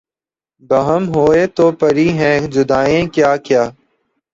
بہم ہوئے تو پڑی ہیں جدائیاں کیا کیا